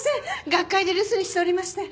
学会で留守にしておりまして。